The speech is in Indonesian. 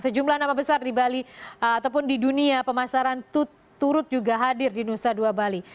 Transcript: sejumlah nama besar di bali ataupun di dunia pemasaran turut juga hadir di nusa dua bali